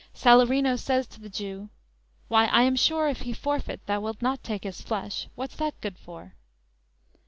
Salarino says to the Jew: _"Why, I am sure if he forfeit, thou wilt not Take his flesh; what's that good for?"